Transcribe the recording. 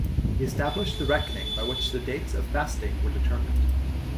He established the reckoning by which the dates of fasting were determined.